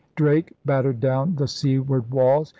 Drake battered down the seaward walls.